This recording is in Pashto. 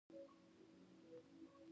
پسرلی د شنوالي موسم دی.